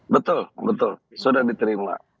betul betul sudah diterima